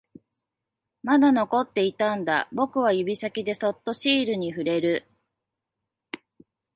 まだ残っていたんだ、僕は指先でそっとシールに触れる